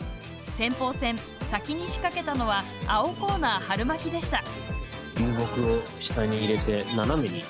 先鋒戦、先に仕掛けたのは青コーナー「はるまき」でした。